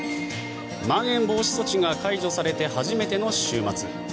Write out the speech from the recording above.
まん延防止措置が解除されて初めての週末。